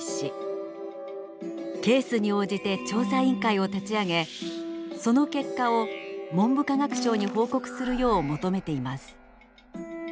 ケースに応じて調査委員会を立ち上げその結果を文部科学省に報告するよう求めています。